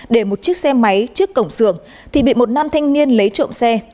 để một chiếc xe máy trước cổng xưởng thì bị một nam thanh niên lấy trộm xe